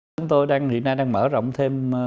chúng tôi hiện nay đang mở rộng thêm